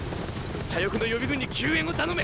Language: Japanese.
左翼の予備軍に救援を頼め！